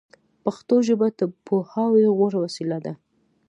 پښتو ژبه د پوهاوي غوره وسیله ده